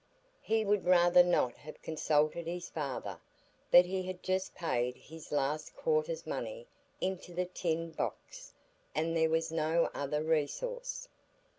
He would rather not have consulted his father, but he had just paid his last quarter's money into the tin box, and there was no other resource.